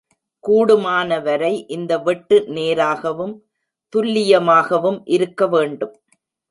கூடுமானவரை இந்த வெட்டு நேராகவும் துல்லியமாகவும் இருக்க வேண்டும்.